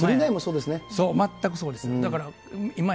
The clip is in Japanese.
そう、全くそうです。